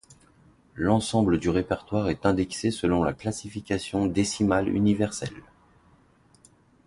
L'ensemble du répertoire est indexé selon la Classification Décimale Universelle.